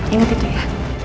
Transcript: ingat itu ya